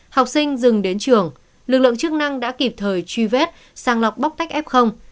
học sinh dừng đến trường lực lượng chức năng đã kịp thời truy vết sàng lọc bóc tách f